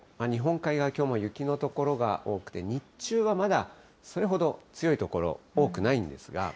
日本海側、きょうも雪の所が多くて、日中はまだ、それほど強い所、多くないんですが。